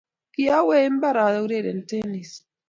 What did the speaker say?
kiowe eng mbar aureren tenis.